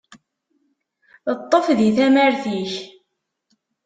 Ṭṭef di tamart-ik!